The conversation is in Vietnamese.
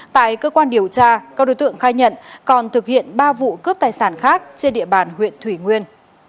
tại cơ quan điều tra các đối tượng khai nhận còn thực hiện ba vụ cướp tài sản khác trên địa bàn huyện thủy nguyên